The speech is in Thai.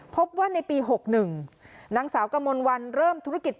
พบว่าในปี๖๑นางสาวกมลวันเริ่มธุรกิจ